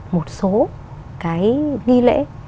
một số cái nghi lễ